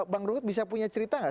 bang rohut bisa punya cerita gak